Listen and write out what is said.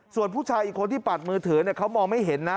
ส่วนผู้ชายอีกคนที่ปัดมือถือเขามองไม่เห็นนะ